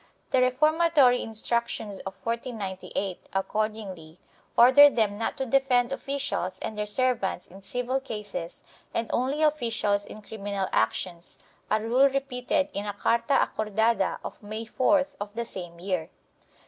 The reformatory Instructions of 1498, accordingly, order them not to defend officials and their servants in civil cases and only officials in criminal actions, a rule repeated in a carta acordada of May 4th of the same year.